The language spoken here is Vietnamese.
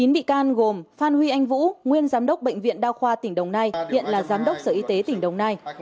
chín bị can gồm phan huy anh vũ nguyên giám đốc bệnh viện đa khoa tỉnh đồng nai hiện là giám đốc sở y tế tỉnh đồng nai